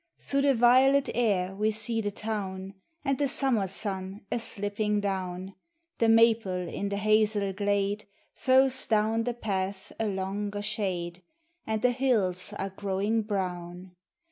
Through the violet air we see the town, And the summer sun a slipping down; The maple in the hazel glade Throws down the path a longer shade, And the hills are growing brown.